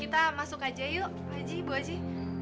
kita masuk aja yuk pak haji bu haji